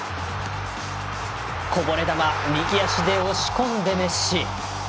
こぼれ球右足で押し込んだメッシ。